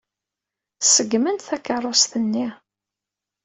Ṣeggmen-d takeṛṛust-nni.